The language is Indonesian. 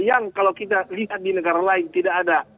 yang kalau kita lihat di negara lain tidak ada